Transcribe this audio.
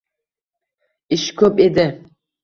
Ish koʻp edi.